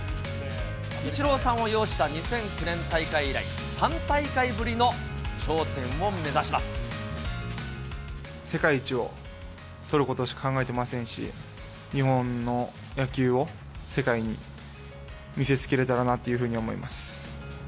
イチローさんを擁した２００９年大会以来、３大会ぶりの頂点を目世界一を取ることしか考えてませんし、日本の野球を世界に見せつけれたらなというふうに思います。